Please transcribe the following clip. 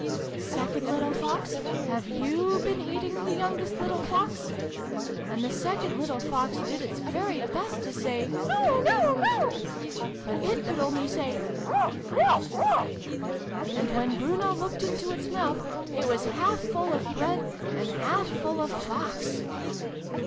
'Second little Fox, have you been eating the youngest little Fox ?' And the second little Fox did its very best to say 'No no no!' but it could only say 'Weuchk! Weuchk ! Weuchk !' And when Bruno looked into its mouth, it was half full of Bread, and half full of Fox